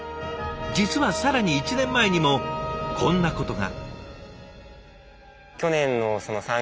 実は更に１年前にもこんなことが。